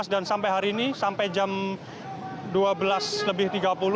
dan sampai hari ini sampai jam dua belas lebih tiga puluh